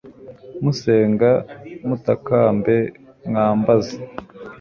musenga, mutakambe, mwambaze